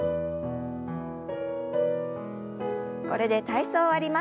これで体操を終わります。